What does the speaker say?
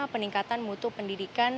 peningkatan mutu pendidikan